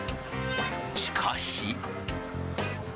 しかし。